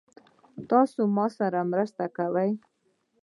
تاسو ما سره مرسته کوئ؟